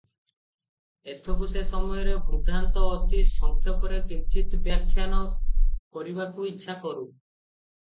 ଏଥକୁ ସେ ସମୟର ବୃତ୍ତାନ୍ତ ଅତି ସଂକ୍ଷେପରେ କିଞ୍ଚିତ୍ ବ୍ୟାଖ୍ୟାନ କରିବାକୁ ଇଚ୍ଛା କରୁଁ!